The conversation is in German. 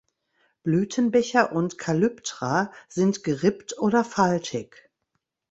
Blütenbecher und Calyptra sind gerippt oder faltig.